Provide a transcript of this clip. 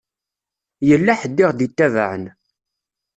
Yella ḥedd i ɣ-d-itabaɛen.